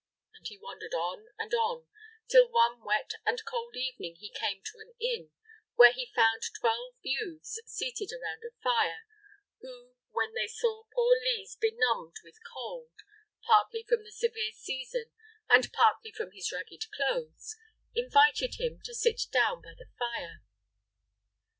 And he wandered on and on, till one wet and cold evening he came to an inn, where he found twelve youths seated around a fire, who, when they saw poor Lise benumbed with cold, partly from the severe season and partly from his ragged clothes, invited him to sit down by the fire.